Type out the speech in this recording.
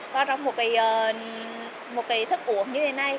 và trong một cái thức uống như thế này